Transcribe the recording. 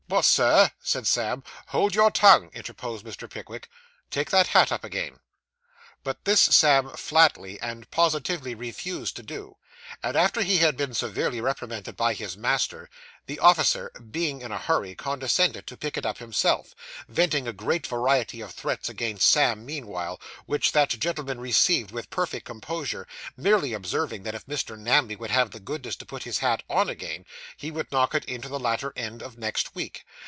'But, Sir!' said Sam. 'Hold your tongue,' interposed Mr. Pickwick. 'Take that hat up again.' But this Sam flatly and positively refused to do; and, after he had been severely reprimanded by his master, the officer, being in a hurry, condescended to pick it up himself, venting a great variety of threats against Sam meanwhile, which that gentleman received with perfect composure, merely observing that if Mr. Namby would have the goodness to put his hat on again, he would knock it into the latter end of next week.